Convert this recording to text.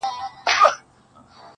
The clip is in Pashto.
څارنوال ودغه راز ته نه پوهېږي,